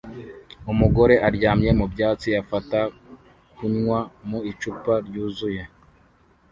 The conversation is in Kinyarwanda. Umugore aryamye mu byatsi afata kunywa mu icupa ryuzuye